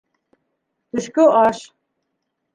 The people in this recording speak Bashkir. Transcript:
Төшкө аш